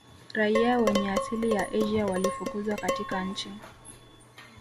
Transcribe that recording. Raia wenye asili ya Asia walifukuzwa katika nchi